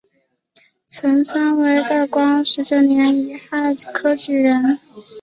陈鼐为道光十九年己亥科举人。